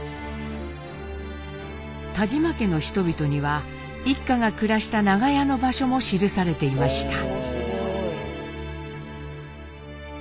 「田島家の人々」には一家が暮らした長屋の場所も記されていました。